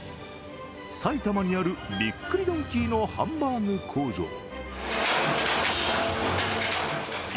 埼玉にある、びっくりドンキーのハンバーグの工場